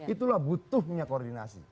itulah butuhnya koordinasi